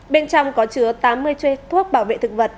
bên trong có chứa tám mươi thuốc bảo vệ thực vật